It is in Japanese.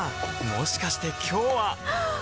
もしかして今日ははっ！